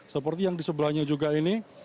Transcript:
seperti yang di sebelahnya juga ini